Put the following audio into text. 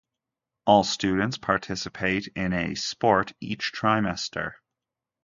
All students participate in a sport each trimester.